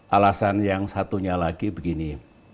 alasan yang satunya lagi begini